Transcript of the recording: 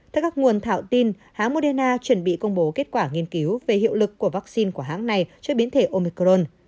theo các nguồn thảo tin hãng moderna chuẩn bị công bố kết quả nghiên cứu về hiệu lực của vaccine của hãng này cho biến thể omicron